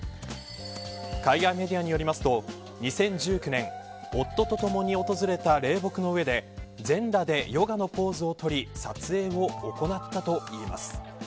海外メディアによりますと２０１９年夫とともに訪れた霊木の上で全裸でヨガのポーズを取り撮影を行ったといいます。